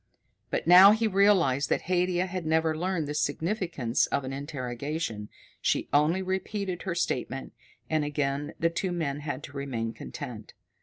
But now he realized that Haidia had never learned the significance of an interrogation. She only repeated her statement, and again the two men had to remain content.